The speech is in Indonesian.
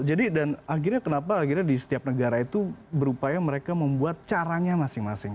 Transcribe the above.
jadi dan akhirnya kenapa akhirnya di setiap negara itu berupaya mereka membuat caranya masing masing